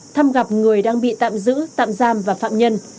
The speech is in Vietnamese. thăm gặp người đang bị tạm giữ tạm giam và phạm nhân